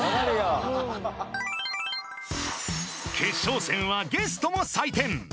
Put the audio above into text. ［決勝戦はゲストも採点］